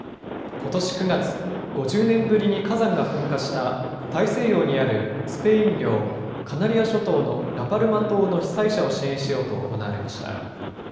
ことし９月、５０年ぶりに火山が噴火した大西洋にあるスペイン領カナリア諸島のラパルマ島の被災者を支援しようと行われました。